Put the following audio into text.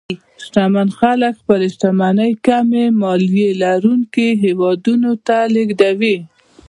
شتمن خلک خپلې شتمنۍ کمې مالیې لرونکو هېوادونو ته لېږدوي.